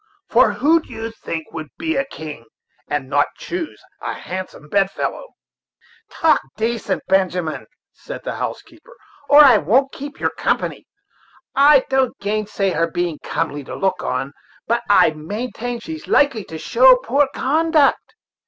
for who do you think would be a king, and not choose a handsome bedfellow?" "Talk decent, Benjamin," said the housekeeper, "Or I won't keep your company. I don't gainsay her being comely to look on, but I will maintain that she's likely to show poor conduct.